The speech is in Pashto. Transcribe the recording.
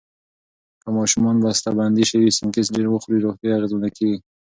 که ماشومان بستهبندي شوي سنکس ډیر وخوري، روغتیا یې اغېزمنه کېږي.